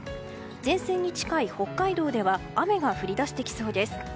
前線に近い北海道では雨が降り出してきそうです。